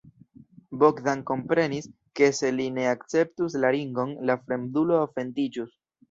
Bogdan komprenis, ke se li ne akceptus la ringon, la fremdulo ofendiĝus.